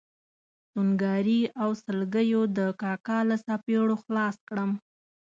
سونګاري او سلګیو د کاکا له څپېړو خلاص کړم.